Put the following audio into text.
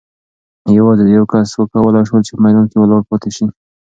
یوازې یو کس وکولای شول چې په میدان کې ولاړ پاتې شي.